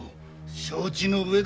承知の上だ。